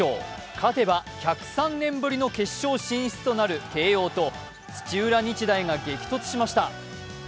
勝てば１０３年ぶりの決勝進出となる慶応と土浦日大が激突しました。